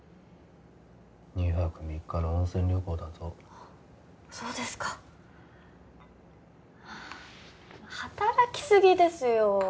２泊３日の温泉旅行だとそうですか働きすぎですよ